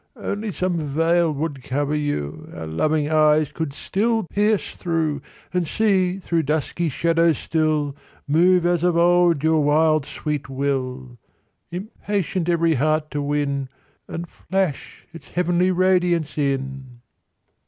Only some veil would cover you Our loving eyes could still pierce through; And see through dusky shadows still Move as of old your wild sweet will, Impatient every heart to win And flash its heavenly radiance in.'